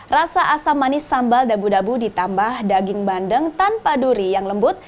rasa asam manis sambal dabu dabu ditambah daging bandeng tanpa duri yang lembut